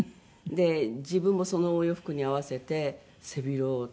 自分もそのお洋服に合わせて背広とか。